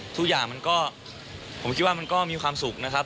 ทุกอย่างมันก็ผมคิดว่ามันก็มีความสุขนะครับ